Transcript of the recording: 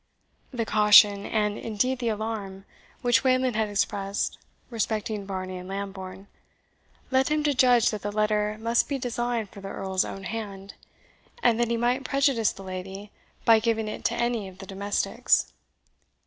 The caution, and indeed the alarm, which Wayland had expressed respecting Varney and Lambourne, led him to judge that the letter must be designed for the Earl's own hand, and that he might prejudice the lady by giving it to any of the domestics.